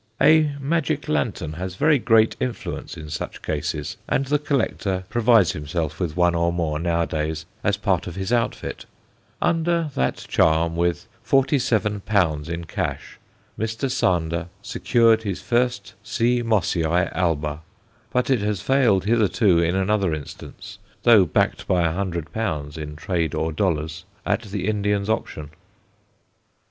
A magic lantern has very great influence in such cases, and the collector provides himself with one or more nowadays as part of his outfit. Under that charm, with 47l. in cash, Mr. Sander secured his first C. Mossiæ alba, but it has failed hitherto in another instance, though backed by 100l., in "trade" or dollars, at the Indian's option.